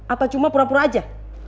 atau cuma pura pura aja